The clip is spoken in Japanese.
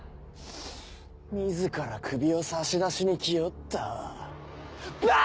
自ら首を差し出しに来おったわ。